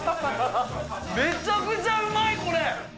めちゃくちゃうまい、これ。